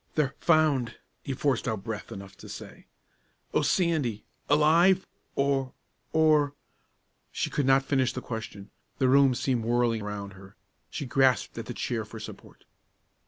"They're found!" he forced out breath enough to say. "O Sandy, alive or or" She could not finish the question; the room seemed whirling round her; she grasped at the chair for support.